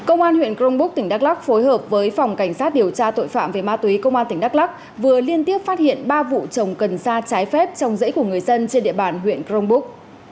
công an huyện crongbuk tỉnh đắk lắk phối hợp với phòng cảnh sát điều tra tội phạm về ma túy công an tỉnh đắk lắc vừa liên tiếp phát hiện ba vụ trồng cần sa trái phép trong dãy của người dân trên địa bàn huyện crong búc